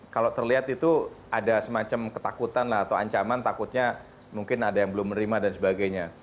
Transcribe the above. kalau terlihat itu ada semacam ketakutan atau ancaman takutnya mungkin ada yang belum menerima dan sebagainya